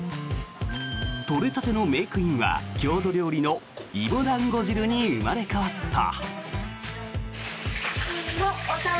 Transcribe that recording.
採れたてのメークインは郷土料理の芋団子汁に生まれ変わった。